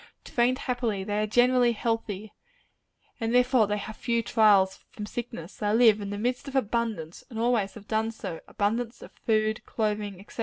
Trained happily, they are generally healthy and therefore they have few trials from sickness. They live in the midst of abundance, and always have done so abundance of food, clothing, &c.